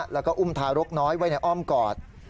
แล้วก็อุ้มทารกน้อยไว้ในอ้อมกอด